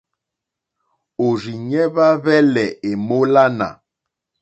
Òrzìɲɛ́ hwá hwɛ́lɛ̀ èmólánà.